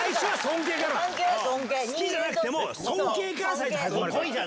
好きじゃなくても尊敬から最初始まるから。